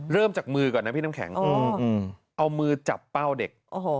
เริ่มจากมือก่อนนะพี่น้ำแข็งเอามือจับเป้าเด็ก